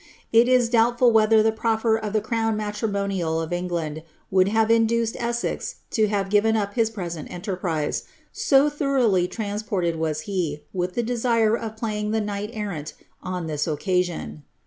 It is doubtful whether the rofler of the crown matrimonial of England would have induced Essex > have given up his present enterprise, so thoroughly transported was e with the desire of playing the knight errant on this occasion.